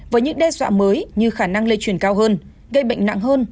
với những đe dọa mới như khả năng lây truyền cao hơn gây bệnh nặng hơn